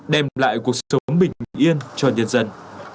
đem lại cuộc sống bình yên cho nhân dân